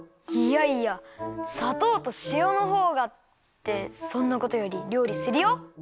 いやいやさとうとしおのほうがってそんなことよりりょうりするよ！